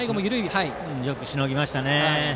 よくしのぎましたね。